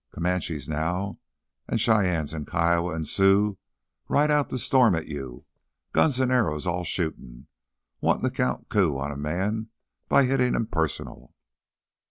Comanches, now, an' Cheyenne an' Kiowa an' Sioux ride out to storm at you—guns an' arrows all shootin'—wantin' to count coup on a man by hittin' him personal.